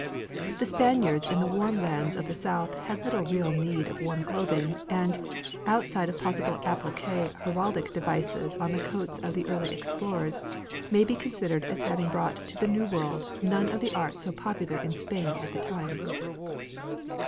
The Spaniards in the warm lands of the South had little real need of warm clothing, and outside of possible appliqué heraldic devices on the coats of the early explorers may be considered as having brought to the New World none of the art so popular in Spain at the time.